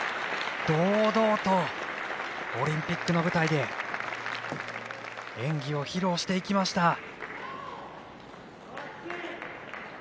堂々とオリンピックの舞台で演技を披露していきました。